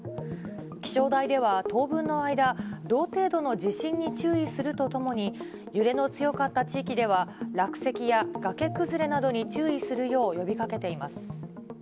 気象台では、当分の間、同程度の地震に注意するとともに、揺れの強かった地域では、落石や崖崩れなどに注意するよう呼びかけています。